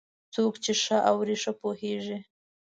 څوک چې ښه اوري، ښه پوهېږي.